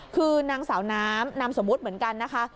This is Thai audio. คือนางสาวน้ำนามสมมุติเหมือนกันนะคะ